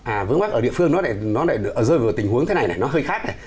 à vướng mắc ở địa phương nó lại rơi vào tình huống thế này này nó hơi khác này